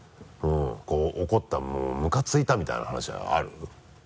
こう怒ったムカついたみたいな話ある？